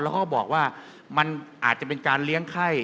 เขาก็บอกว่ามันอาจจะเป็นการเลี้ยงไข้